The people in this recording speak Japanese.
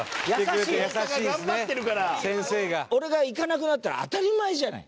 俺が行かなくなったら当たり前じゃない？